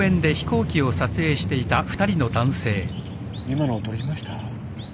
今の撮りました？